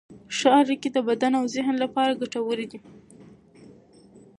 ښه اړیکې د بدن او ذهن لپاره ګټورې دي.